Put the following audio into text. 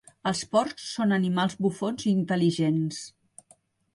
Els porcs són animals bufons i intel·ligents.